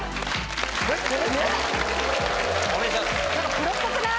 プロっぽくない？